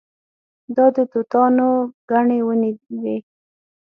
دا د توتانو ګڼې ونې وې.